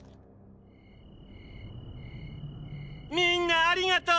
みんなありがとう！